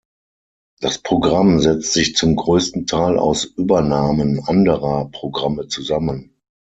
Das Programm setzt sich zum größten Teil aus Übernahmen anderer Programme zusammen.